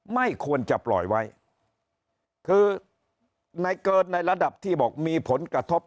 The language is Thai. ไม่ควรจะปล่อยไว้คือในเกินในระดับที่บอกมีผลกระทบ